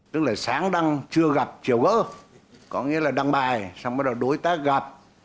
tức là sáng đăng chưa gặp chiều gỡ có nghĩa là đăng bài xong bắt đầu đối tác gặp